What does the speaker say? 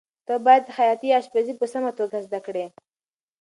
ته باید خیاطي یا اشپزي په سمه توګه زده کړې.